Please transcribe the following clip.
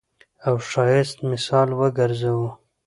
او ښايست مثال وګرځوو.